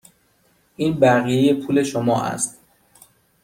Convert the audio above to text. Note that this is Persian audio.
این بقیه پول شما است.